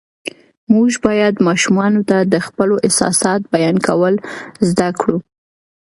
موږ باید ماشومانو ته د خپلو احساساتو بیان کول زده کړو